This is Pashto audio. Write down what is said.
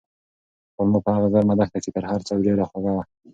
خورما په هغه ګرمه دښته کې تر هر څه ډېره خوږه وه.